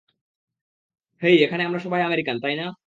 হেই, এখানে আমরা সবাই আমেরিকান, তাই না?